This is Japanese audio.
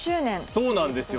そうなんですよ！